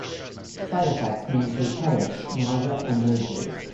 Side effects may include headaches, nausea and nose bleeds.